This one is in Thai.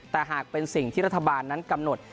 แต่หากเป็นสิ่งที่รัฐบาลนั้นกำหนด